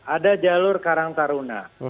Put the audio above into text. ada jalur karang taruna